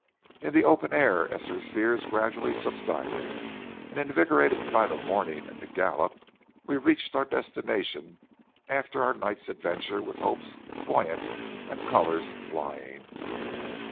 In the open air Esther's fears gradually subsided, and, invigorated by the morning and the gallop, we reached our destination after our night's adventure with hopes buoyant and colors flying.